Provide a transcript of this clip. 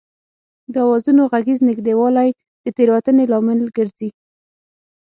د آوازونو غږیز نږدېوالی د تېروتنې لامل ګرځي